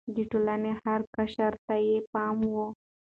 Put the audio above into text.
د ټولنې هر قشر ته يې پام و.